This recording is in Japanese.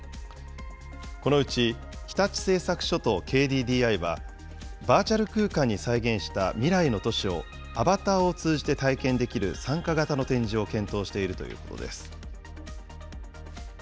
このうち日立製作所とＫＤＤＩは、バーチャル空間に再現した未来の都市を、アバターを通じて体験できる参加型の展示を検討しているということです。